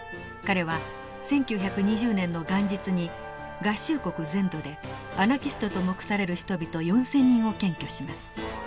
彼は１９２０年の元日に合衆国全土でアナキストと目される人々４，０００人を検挙します。